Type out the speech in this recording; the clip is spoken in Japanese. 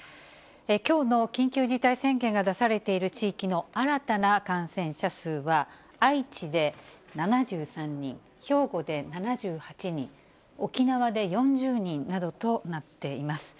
きょうの緊急事態宣言が出されている地域の新たな感染者数は、愛知で７３人、兵庫で７８人、沖縄で４０人などとなっています。